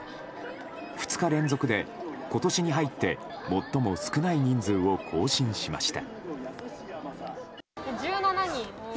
２日連続で、今年に入って最も少ない人数を更新しました。